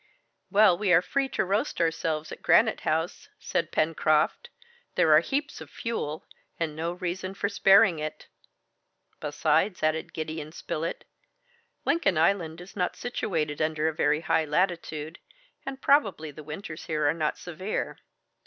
"Well, we are free to roast ourselves at Granite House!" said Pencroft. "There are heaps of fuel, and no reason for sparing it." "Besides," added Gideon Spilett, "Lincoln Island is not situated under a very high latitude, and probably the winters here are not severe.